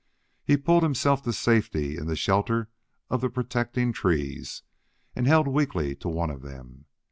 He pulled himself to safety in the shelter of the protecting trees, and held weakly to one of them....